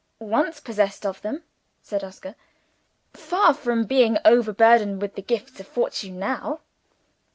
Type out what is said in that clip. "Once possessed of them," said Oscar. "Far from being overburdened with the gifts of fortune, now!"